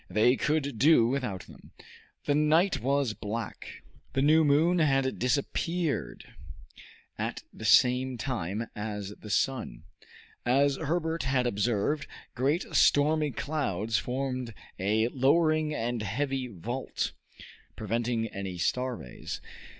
They could do without them. The night was black. The new moon had disappeared at the same time as the sun. As Herbert had observed, great stormy clouds formed a lowering and heavy vault, preventing any star rays.